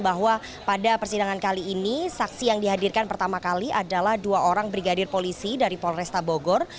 bahwa pada persidangan kali ini saksi yang dihadirkan pertama kali adalah dua orang brigadir polisi dari polresta bogor